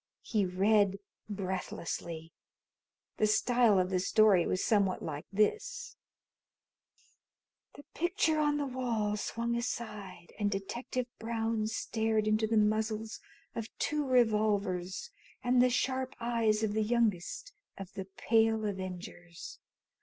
He read breathlessly. The style of the story was somewhat like this: The picture on the wall swung aside and Detective Brown stared into the muzzles of two revolvers and the sharp eyes of the youngest of the Pale Avengers.